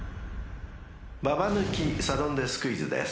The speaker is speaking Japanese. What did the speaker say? ［ババ抜きサドンデスクイズです］